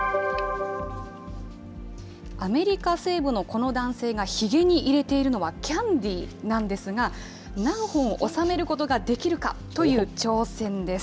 アメリカ西部のこの男性がひげに入れているのはキャンディーなんですが、何本収めることができるかという挑戦です。